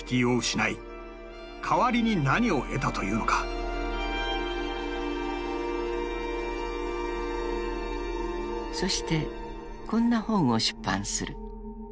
［そしてこんな本を出版する］